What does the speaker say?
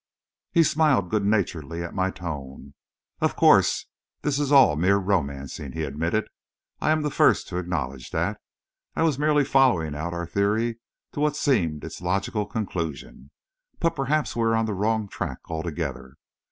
He smiled good naturedly at my tone. "Of course, this is all mere romancing," he admitted. "I am the first to acknowledge that. I was merely following out our theory to what seemed its logical conclusion. But perhaps we are on the wrong track altogether.